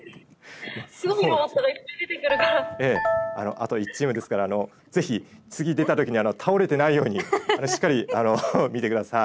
あと１チームですからぜひ次出た時に倒れてないようにしっかり見て下さい。